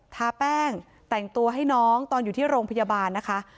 ทาแป้งแต่งตัวให้น้องตอนอยู่ที่โรงพยาบาลนะคะ